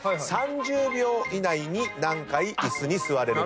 ３０秒以内に何回イスに座れるか。